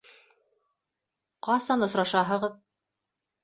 Ҡасан осрашаһығыҙ?